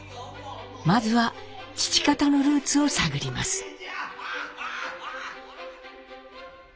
まずは父方のルーツを探ります。